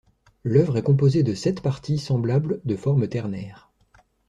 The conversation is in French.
L'œuvre est composée de sept parties semblables de forme ternaire.